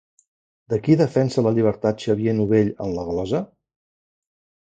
De qui defensa la llibertat Xavier Novell en la glosa?